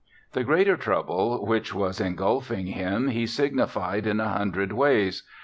The greater trouble which was ingulfing him he signified in a hundred ways.